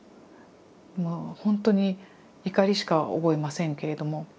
もうほんとに怒りしか覚えませんけれども。